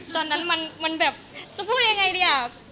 ตอนนั้นมันแบบจะพูดยังไงดีอ่ะ